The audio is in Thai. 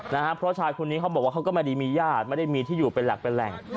เพราะชายคนนี้เขาบอกว่าเขาก็ไม่ได้มีญาติไม่ได้มีที่อยู่เป็นหลักเป็นแหล่ง